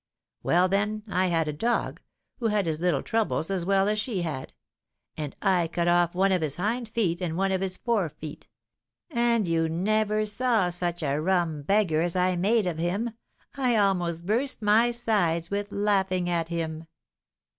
Well, then I had a dog, who had his little troubles as well as she had; and I cut off one of his hind feet and one of his four feet; and you never saw such a rum beggar as I made of him; I almost burst my sides with laughing at him!"